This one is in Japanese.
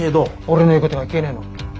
俺の言うことが聞けねえのか？